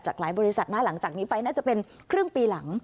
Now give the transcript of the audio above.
หลายบริษัทนะหลังจากนี้ไปน่าจะเป็นครึ่งปีหลัง